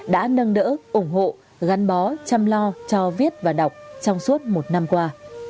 đã nâng đỡ ủng hộ gắn bó chăm lo cho viết và đọc trong suốt một năm qua